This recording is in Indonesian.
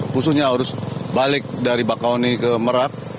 khususnya arus balik dari bakau heni ke merak